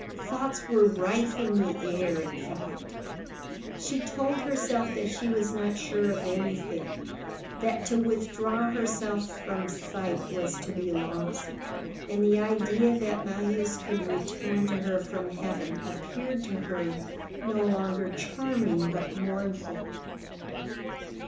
Thoughts were rife in the air, in fact. She told herself that she was not sure of anything, that to withdraw herself from sight was to be lost; and the idea that Marius could return to her from heaven appeared to her no longer charming but mournful.